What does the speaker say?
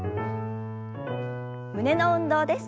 胸の運動です。